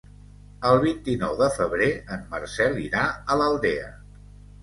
El vint-i-nou de febrer en Marcel irà a l'Aldea.